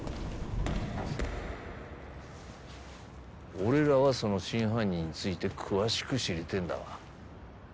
俺らはその真犯人について詳しく知りてえんだわ。